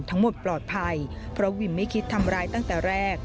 ทั้งหมดปลอดภัยเพราะวิมไม่คิดทำร้ายตั้งแต่แรก